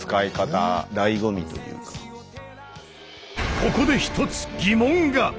ここで一つ疑問が。